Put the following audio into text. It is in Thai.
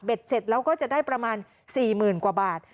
เสร็จแล้วก็จะได้ประมาณ๔๐๐๐กว่าบาท